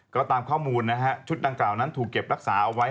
ก็ตามข้อมูลนะฮะชุดดังกล่าวนั้นถูกเก็บรักษาเอาไว้